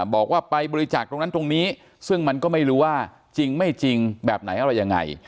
บอกว่าไปบริจาคตรงนั้นตรงนี้ซึ่งมันก็ไม่รู้ว่าจริงไม่จริงแบบไหนอะไรยังไง